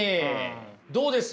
どうです？